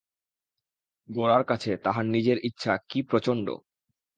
গোরার কাছে তাহার নিজের ইচ্ছা কী প্রচণ্ড!